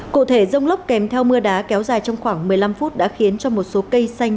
cụ thể rông lốc kèm theo mưa đá kéo dài trong khoảng một mươi năm phút đã khiến cho một số cây xanh